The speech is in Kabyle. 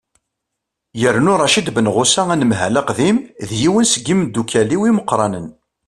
yernu racid benɣusa anemhal aqdim d yiwen seg yimeddukkal-iw imeqqranen